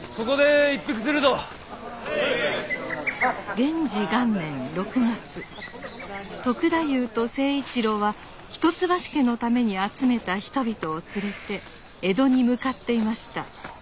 元治元年６月篤太夫と成一郎は一橋家のために集めた人々を連れて江戸に向かっていました。